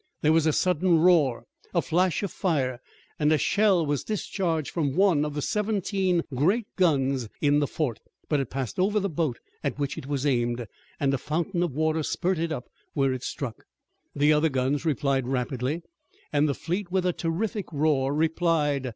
There was a sudden roar, a flash of fire and a shell was discharged from one of the seventeen great guns in the fort. But it passed over the boat at which it was aimed, and a fountain of water spurted up where it struck. The other guns replied rapidly, and the fleet, with a terrific roar, replied.